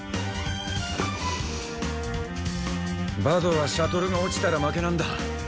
バドはシャトルが落ちたら負けなんだ。